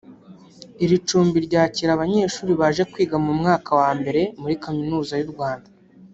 Iri cumbi ryakira abanyeshuri baje kwiga mu mwaka wa mbere muri Kamunuza y’u Rwanda